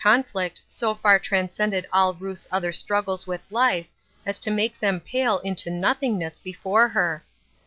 nflict so far transcended all Ruth's other struggles with life as to make them pale into nothingness before her.